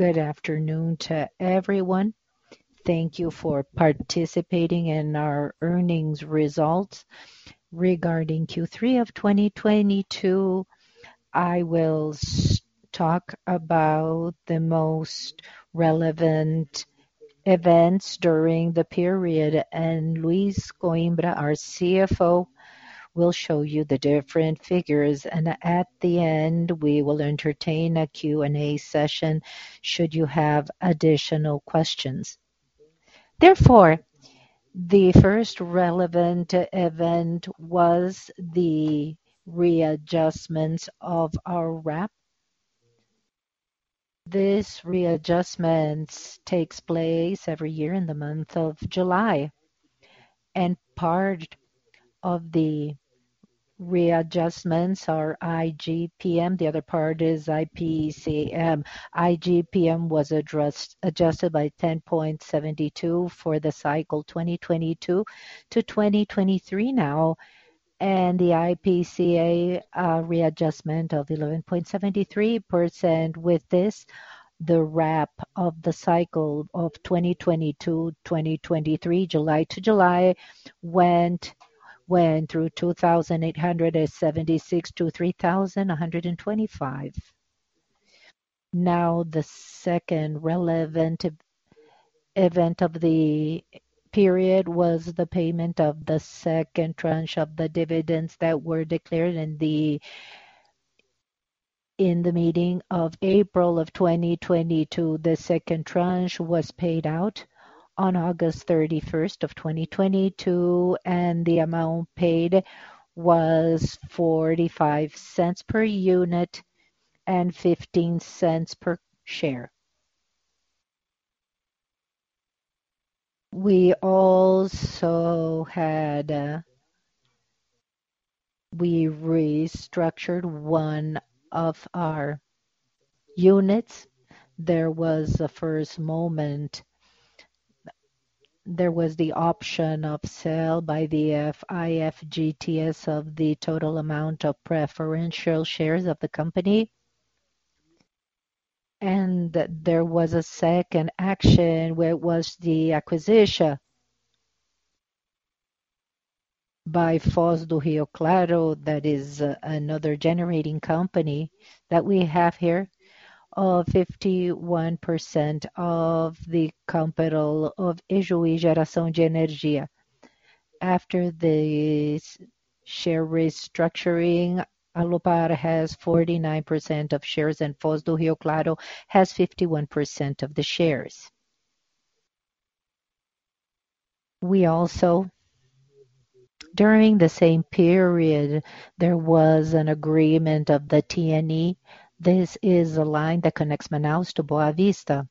Good afternoon to everyone. Thank you for participating in our Earnings Results regarding Q3 of 2022. I will talk about the most relevant events during the period, and Luiz Coimbra, our CFO, will show you the different figures. At the end, we will entertain a Q&A session should you have additional questions. Therefore, the first relevant event was the readjustments of our RAP. This readjustments takes place every year in the month of July, and part of the readjustments are IGP-M. The other part is IPCA. IGP-M was adjusted by 10.72 for the cycle 2022 to 2023 now, and the IPCA readjustment of 11.73%. With this, the RAP of the cycle of 2020 to 2023 July to July went through 2,876-3,125. Now, the second relevant event of the period was the payment of the second tranche of the dividends that were declared in the meeting of April of 2022. The second tranche was paid out on August 31, 2022, and the amount paid was 0.45 per unit and 0.15 per share. We also had. We restructured one of our units. There was a first moment. There was the option of sale by the FI-FGTS of the total amount of preferential shares of the company. There was a second action where it was the acquisition by Foz do Rio Claro, that is another generating company that we have here, of 51% of the capital of Ijuí Energia. After the share restructuring, Alupar has 49% of shares and Foz do Rio Claro has 51% of the shares. During the same period, there was an agreement of the TNE. This is a line that connects Manaus to Boa Vista.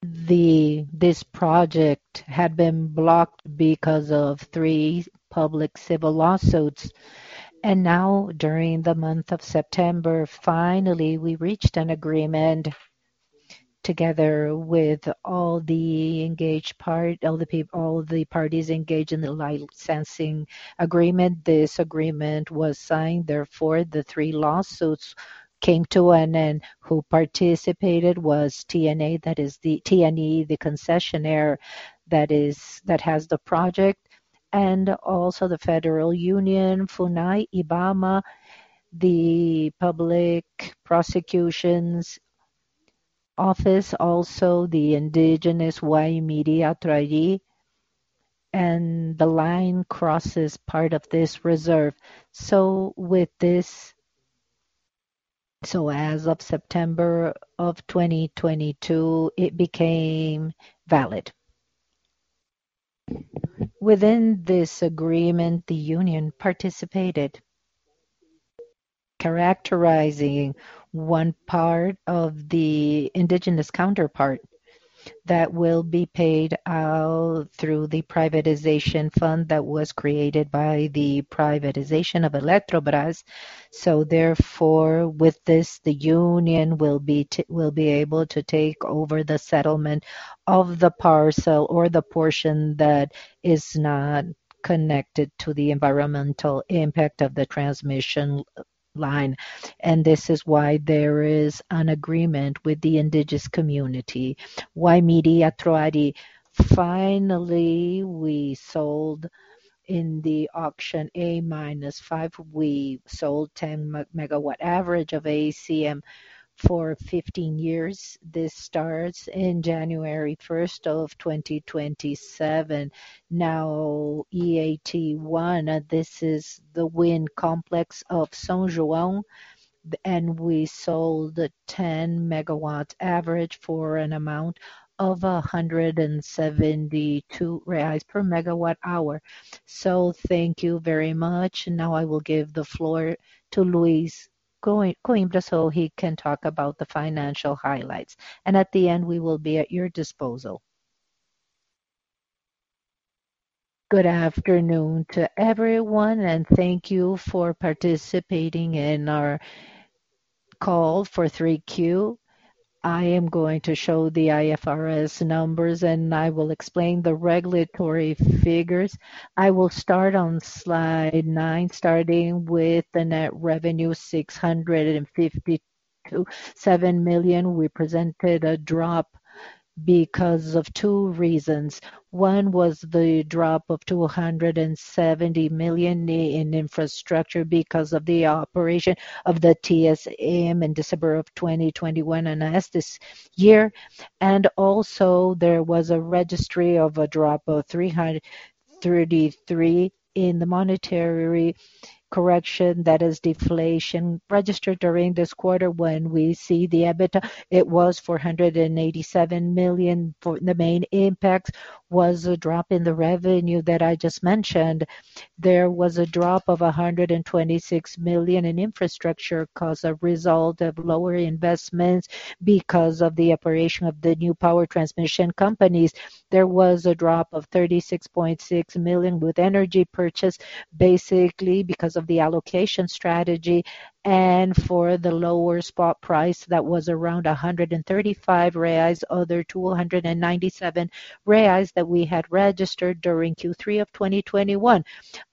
This project had been blocked because of three public civil lawsuits. Now during the month of September, finally, we reached an agreement together with all the parties engaged in the licensing agreement. This agreement was signed, therefore, the three lawsuits came to an end. Who participated was TNE, the concessionaire that has the project, and also the Federal Union, FUNAI, IBAMA, the Public Prosecutor's Office, also the indigenous Waimiri-Atroari. The line crosses part of this reserve. With this, as of September 2022, it became valid. Within this agreement, the Federal Union participated, characterizing one part of the indigenous counterpart that will be paid out through the privatization fund that was created by the privatization of Eletrobras. Therefore, with this, the Federal Union will be able to take over the settlement of the parcel or the portion that is not connected to the environmental impact of the transmission line. This is why there is an agreement with the indigenous community, Waimiri-Atroari. Finally, we sold in the auction A-5 10 MW average of ACM for 15 years. This starts in January 1st, 2027. Now, EATE, this is the wind complex of São João and we sold 10 MW average for an amount of 172 per MWh. Thank you very much. Now I will give the floor to Luiz, so he can talk about the financial highlights. At the end, we will be at your disposal. Good afternoon to everyone, and thank you for participating in our call for 3Q. I am going to show the IFRS numbers, and I will explain the regulatory figures. I will start on slide nine, starting with the net revenue, 657 million. We presented a drop because of two reasons. One was the drop of 270 million in infrastructure because of the operation of the TSM in December of 2021 and in this year. Also, there was a register of a drop of 333 million in the monetary correction, that is deflation, registered during this quarter. When we see the EBITDA, it was 487 million. The main impact was a drop in the revenue that I just mentioned. There was a drop of 126 million in infrastructure as a result of lower investments because of the operation of the new power transmission companies. There was a drop of 36.6 million with energy purchase, basically because of the allocation strategy and for the lower spot price that was around 135 reais, other 297 reais that we had registered during Q3 of 2021.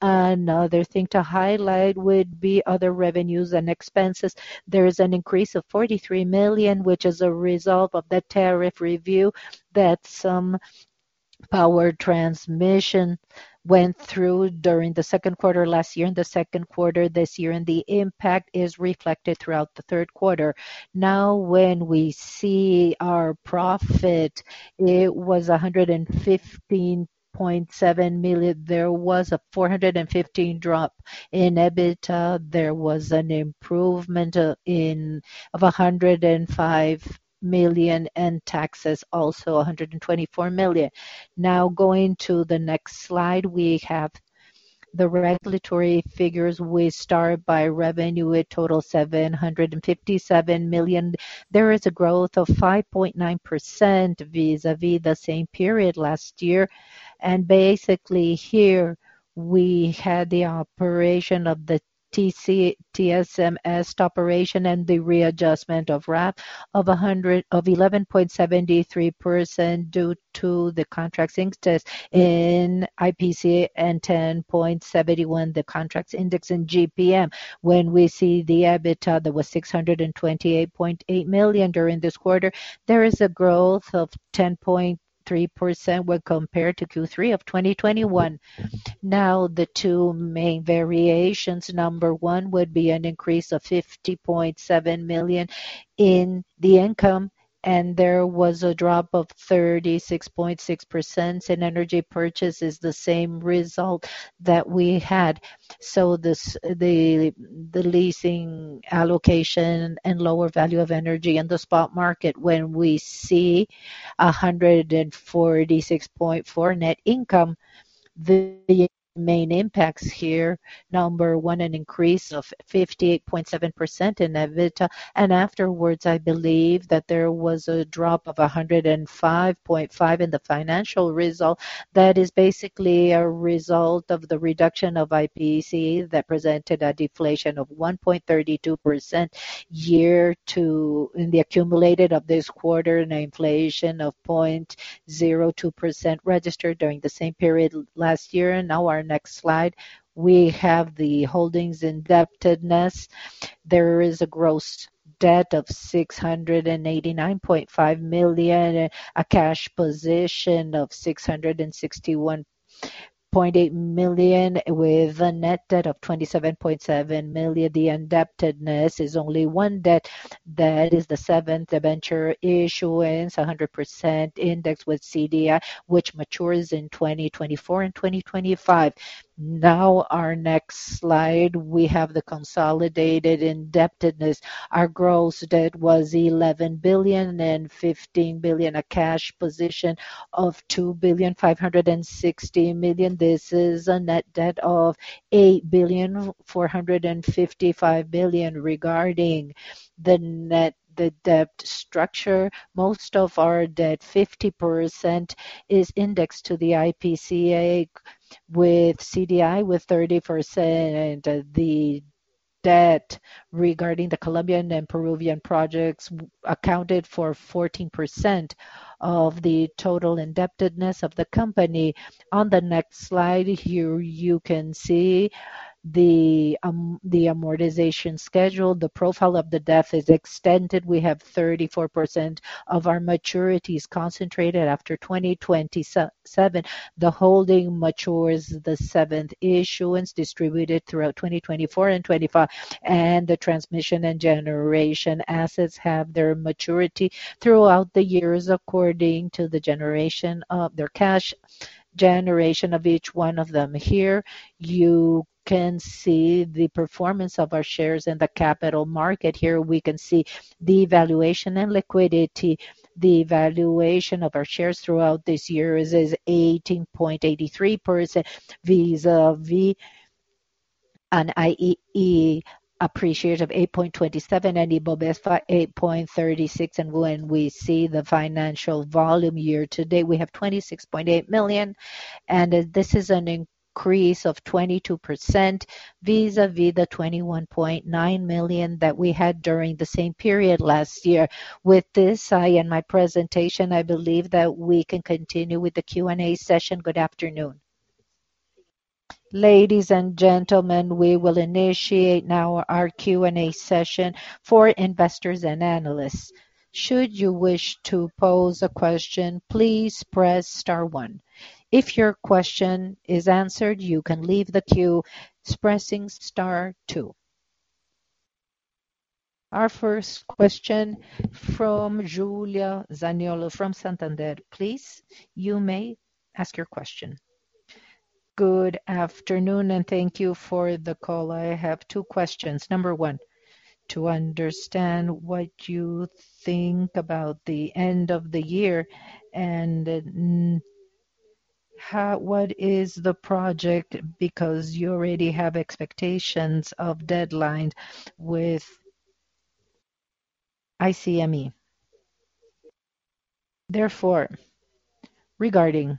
Another thing to highlight would be other revenues and expenses. There is an increase of 43 million, which is a result of the tariff review that some power transmission went through during the second quarter last year and the second quarter this year, and the impact is reflected throughout the third quarter. Now when we see our profit, it was 115.7 million. There was a 415 million drop in EBITDA. There was an improvement of 105 million, and taxes also 124 million. Now going to the next slide, we have the regulatory figures. We start by revenue at total 757 million. There is a growth of 5.9% vis-à-vis the same period last year. Basically here we had the operation of the TME-TSM operation and the readjustment of RAP of 11.73% due to the contracts indexed in IPCA and 10.71%, the contracts indexed in IGP-M. When we see the EBITDA, that was 628.8 million during this quarter. There is a growth of 10.3% when compared to Q3 of 2021. Now, the two main variations. Number one would be an increase of 50.7 million in the income, and there was a drop of 36.6% in energy purchases, the same result that we had. This, the leasing allocation and lower value of energy in the spot market. When we see 146.4 net income, the main impacts here, number one, an increase of 58.7% in EBITDA. Afterwards, I believe that there was a drop of 105.5 in the financial result. That is basically a result of the reduction of IPCA that presented a deflation of 1.32% year to In the accumulated of this quarter, an inflation of 0.02% registered during the same period last year. Now our next slide, we have the holding's indebtedness. There is a gross debt of 689.5 million, a cash position of 661.8 million, with a net debt of 27.7 million. The indebtedness is only one debt. That is the seventh debenture issuance, 100% indexed with CDI, which matures in 2024 and 2025. Now our next slide, we have the consolidated indebtedness. Our gross debt was 11.015 billion, a cash position of 2.56 billion. This is a net debt of 8.455 billion. Regarding the debt structure, most of our debt, 50% is indexed to the IPCA, with CDI 30%. The debt regarding the Colombian and Peruvian projects accounted for 14% of the total indebtedness of the company. On the next slide here, you can see the amortization schedule. The profile of the debt is extended. We have 34% of our maturities concentrated after 2027. The holding matures the seventh issuance distributed throughout 2024 and 2025, and the transmission and generation assets have their maturity throughout the years according to the cash generation of each one of them. Here you can see the performance of our shares in the capital market. Here we can see the valuation and liquidity. The valuation of our shares throughout this year is 18.83% vis-à-vis an IEE appreciation of 8.27 and EBITDA 8.36. When we see the financial volume year to date, we have 26.8 million, and this is an increase of 22% vis-à-vis the 21.9 million that we had during the same period last year. With this, I end my presentation. I believe that we can continue with the Q&A session. Good afternoon. Ladies and gentlemen, we will initiate now our Q&A session for investors and analysts. Should you wish to pose a question, please press star one. If your question is answered, you can leave the queue by pressing star two. Our first question from Julia Zaniolo from Santander. Please, you may ask your question. Good afternoon, and thank you for the call. I have two questions. Number one, to understand what you think about the end of the year and how. What is the project because you already have expectations of deadlines with ICME. Therefore, regarding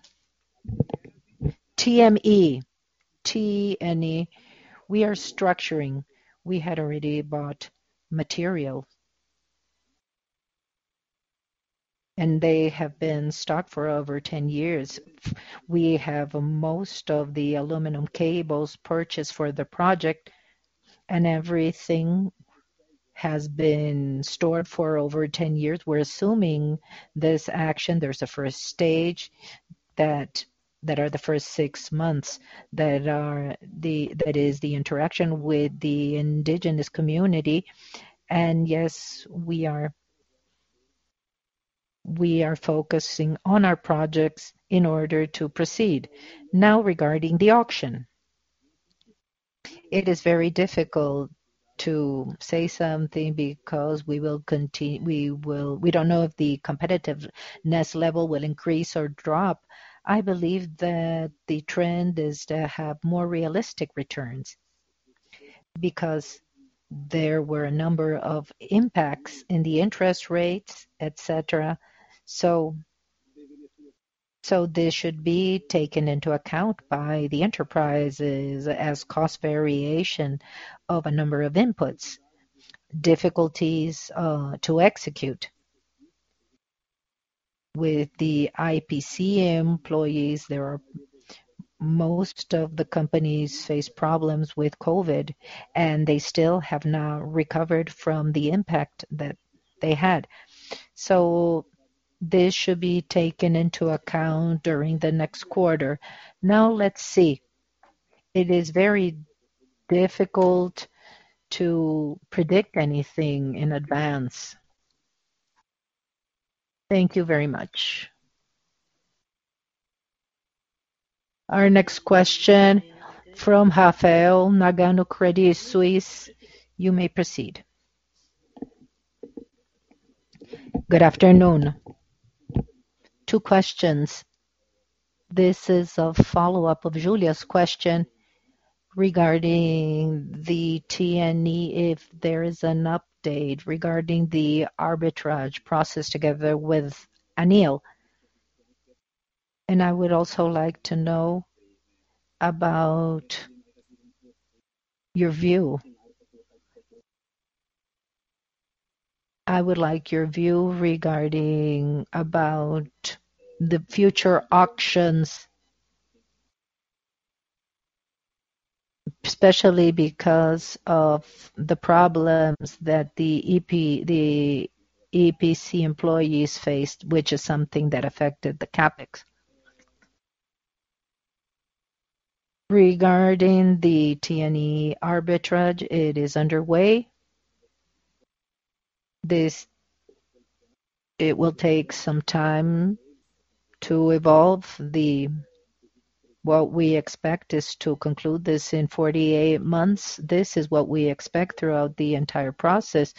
TME, TNE, we are structuring. We had already bought material, and they have been stocked for over 10 years. We have most of the aluminum cables purchased for the project, and everything has been stored for over 10 years. We're assuming this action. There's a first stage that is the first six months that is the interaction with the indigenous community. Yes, we are focusing on our projects in order to proceed. Now regarding the auction, it is very difficult to say something because we don't know if the competitiveness level will increase or drop. I believe that the trend is to have more realistic returns because there were a number of impacts in the interest rates, et cetera. This should be taken into account by the enterprises as cost variation of a number of inputs. Difficulties to execute. With the EPC employees, most of the companies face problems with COVID, and they still have not recovered from the impact that they had. This should be taken into account during the next quarter. Now let's see. It is very difficult to predict anything in advance. Thank you very much. Our next question from Rafael Nagano, Credit Suisse. You may proceed. Good afternoon. Two questions. This is a follow-up of Julia's question regarding the TNE, if there is an update regarding the arbitration process together with ANEEL. And I would also like to know about your view. I would like your view regarding about the future auctions, especially because of the problems that the EPC employees faced, which is something that affected the CapEx. Regarding the TNE arbitrage, it is underway. What we expect is to conclude this in 48 months. This is what we expect throughout the entire process,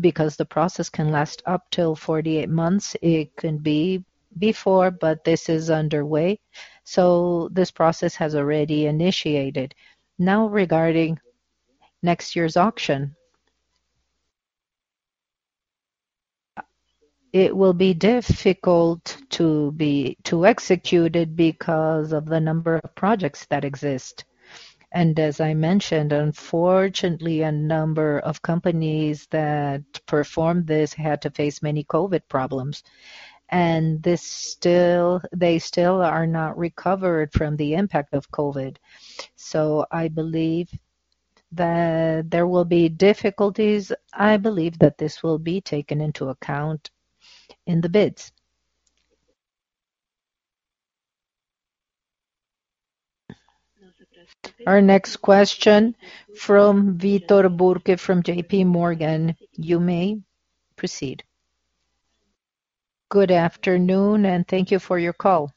because the process can last up till 48 months. It can be before, but this is underway. This process has already initiated. Now, regarding next year's auction. It will be difficult to execute it because of the number of projects that exist. As I mentioned, unfortunately, a number of companies that performed this had to face many COVID problems, and they still are not recovered from the impact of COVID. I believe that there will be difficulties. I believe that this will be taken into account in the bids. Our next question from Victor Burke from J.P. Morgan. You may proceed. Good afternoon, and thank you for your call.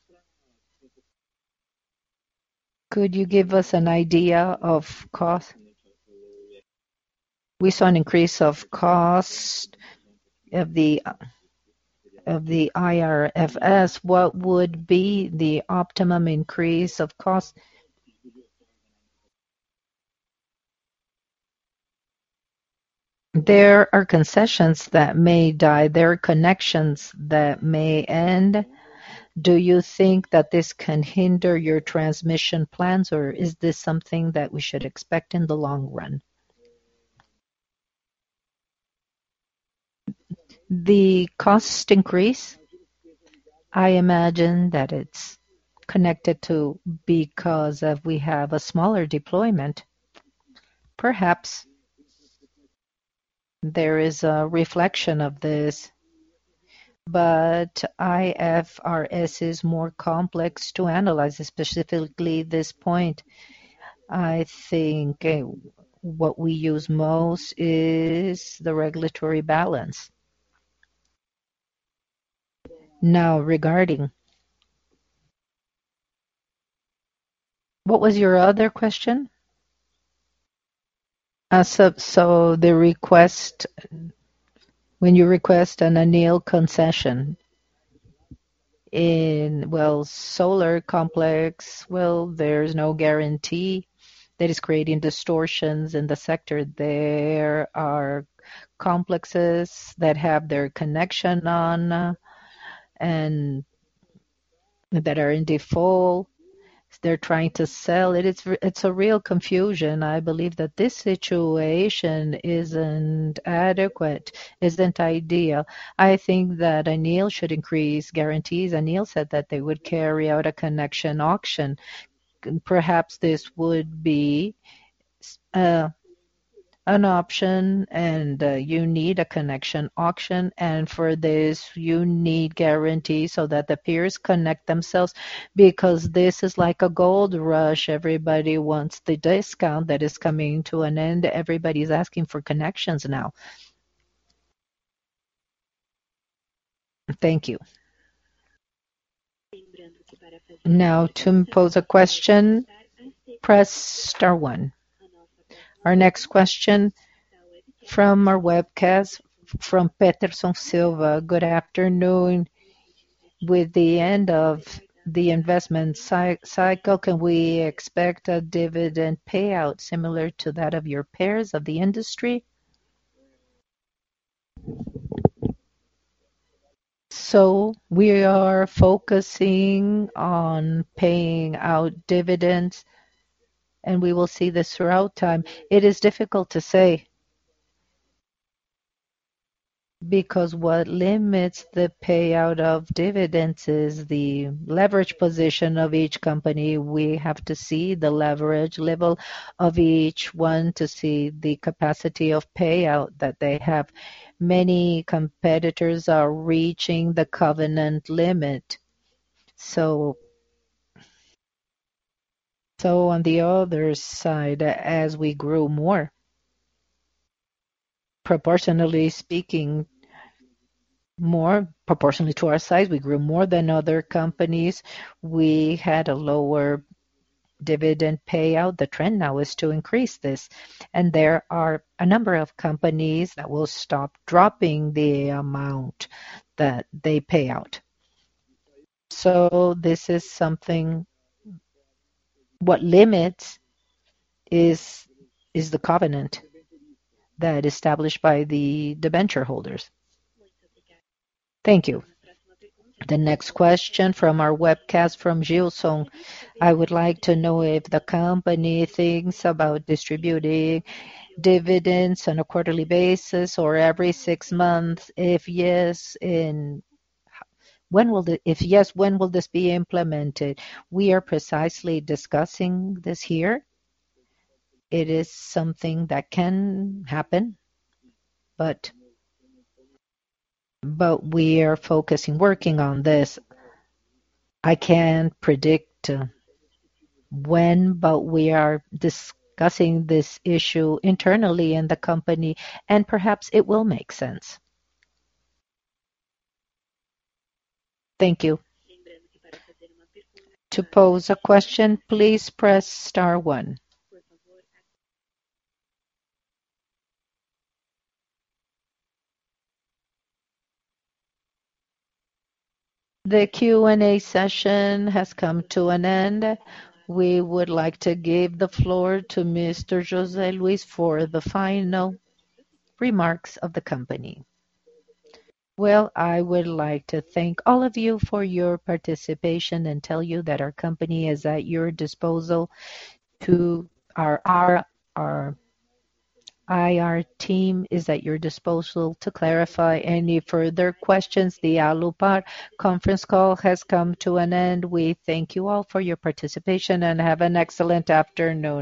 Could you give us an idea of cost? We saw an increase of cost of the IFRS. What would be the optimum increase of cost? There are concessions that may die. There are concessions that may end. Do you think that this can hinder your transmission plans, or is this something that we should expect in the long run? The cost increase, I imagine that it's connected to because of we have a smaller deployment. Perhaps there is a reflection of this, but IFRS is more complex to analyze, specifically this point. I think what we use most is the regulatory balance. Now, regarding what was your other question? The request, when you request an ANEEL concession in solar complex, there's no guarantee. That is creating distortions in the sector. There are complexes that have their connection on, and that are in default. They're trying to sell. It's a real confusion. I believe that this situation isn't adequate, isn't ideal. I think that ANEEL should increase guarantees. ANEEL said that they would carry out a connection auction, and perhaps this would be an option, and you need a connection auction, and for this you need guarantee so that the peers connect themselves. Because this is like a gold rush. Everybody wants the discount that is coming to an end. Everybody's asking for connections now. Thank you. Now, to pose a question, press star one. Our next question from our webcast from Peterson Silva. Good afternoon. With the end of the investment cycle, can we expect a dividend payout similar to that of your peers of the industry? We are focusing on paying out dividends, and we will see this throughout time. It is difficult to say. What limits the payout of dividends is the leverage position of each company. We have to see the leverage level of each one to see the capacity of payout that they have. Many competitors are reaching the covenant limit. On the other side, as we grew more, proportionally speaking, more proportionally to our size, we grew more than other companies. We had a lower dividend payout. The trend now is to increase this, and there are a number of companies that will stop dropping the amount that they pay out. This is something. What limits is the covenant that is established by the debenture holders. Thank you. The next question from our webcast from Gilson. I would like to know if the company thinks about distributing dividends on a quarterly basis or every six months. If yes, when will this be implemented? We are precisely discussing this here. It is something that can happen, but we are focusing working on this. I can't predict when, but we are discussing this issue internally in the company, and perhaps it will make sense. Thank you. To pose a question, please press star one. The Q&A session has come to an end. We would like to give the floor to Mr. José Luiz for the final remarks of the company. Well, I would like to thank all of you for your participation and tell you that our company is at your disposal. Our IR team is at your disposal to clarify any further questions. The Alupar conference call has come to an end. We thank you all for your participation, and have an excellent afternoon.